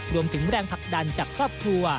รวมถึงแรงผลักดันจากครอบครัว